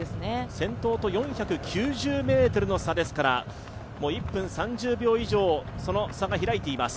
先頭と４９０ｍの差ですから１分３０秒以上、その差が開いています。